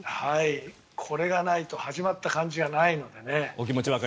これがないと始まった感じがないので。